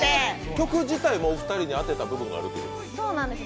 曲自体もお二人に当てた部分があるということなんですか？